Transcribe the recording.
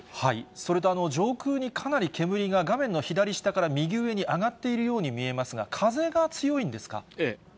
それと上空にかなり煙が画面の左下から右上に上がっているように見えますが、風が強いんですか？